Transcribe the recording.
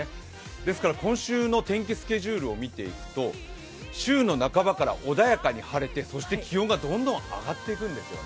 ですから今週の天気スケジュールを見ていくと、週の半ばから穏やかに晴れてそして気温がどんどん上っていくんですよね。